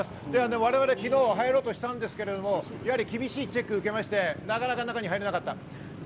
我々、昨日入ろうとしたんですけれど、やはり厳しいチェックを受けまして、なかなか中に入れなかった。